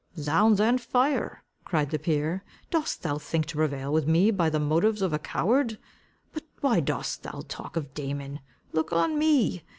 "Zounds and fire!" cried the peer, "dost thou think to prevail with me by the motives of a coward? But why dost thou talk of Damon? Look on me.